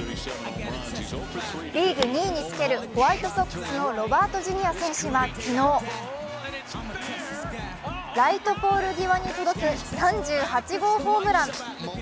リーグ２位につけるホワイトソックスのロバート・ジュニア選手は昨日、ライトポール際に届く３８号ホームラン。